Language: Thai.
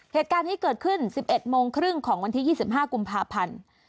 เหตุการณ์นี้เกิดขึ้น๑๑โมงครึ่งของวันที่๒๕กุมภาพันธ์